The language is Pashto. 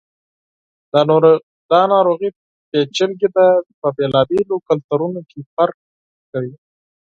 دا ناروغي پیچلي ده، په بېلابېلو کلتورونو کې فرق کوي.